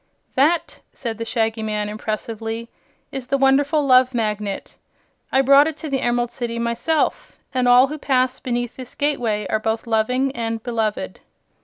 "That," said the Shaggy Man, impressively, "is the wonderful Love Magnet. I brought it to the Emerald City myself, and all who pass beneath this gateway are both loving and beloved."